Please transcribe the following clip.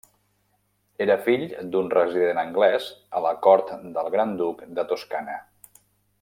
Era fill d'un resident anglès a la cort del Gran Duc de Toscana.